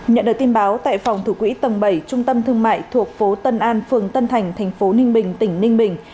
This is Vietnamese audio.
nhận được tin báo tại phòng thủ quỹ tầng bảy trung tâm thương mại thuộc phố tân an phường tân thành thành phố ninh bình tỉnh ninh bình